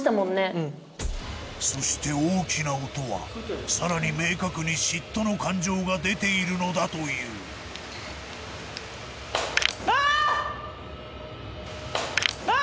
うんそして大きな音はさらに明確に嫉妬の感情が出ているのだというあーっ！